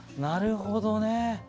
なるほどね。